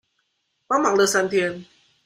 幫忙了三天